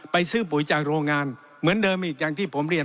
ซื้อปุ๋ยจากโรงงานเหมือนเดิมอีกอย่างที่ผมเรียน